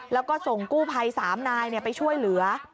แล้วก็ส่งกู้ภัย๓นายไปช่วยเหลือ